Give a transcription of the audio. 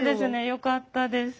よかったです。